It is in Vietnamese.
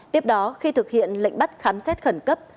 tiếp đó khi thực hiện lệnh bắt khám xét khẩn cấp